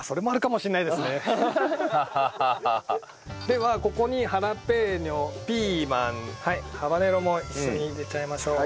ではここにハラペーニョピーマンハバネロも一緒に入れちゃいましょう。